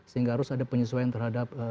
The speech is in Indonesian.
sehingga harus ada penyesuaian terhadap